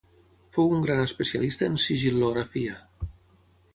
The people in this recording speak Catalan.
Fou un gran especialista en sigil·lografia.